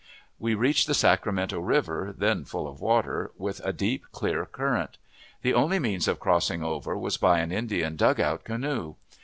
We reached the Sacramento River, then full of water, with a deep, clear current. The only means of crossing over was by an Indian dugout canoe.